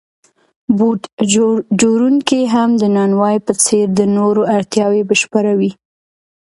بوټ جوړونکی هم د نانوای په څېر د نورو اړتیاوې بشپړوي